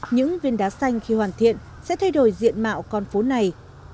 những viên đá xanh khi hoàn thiện sẽ thay đổi diện mạo con phố này